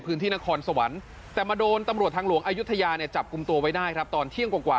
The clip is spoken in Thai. มีดไม่เจอนะ